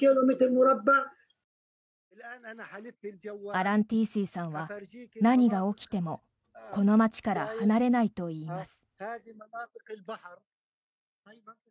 アランティースィーさんは何が起きてもこの街から離れないといいます。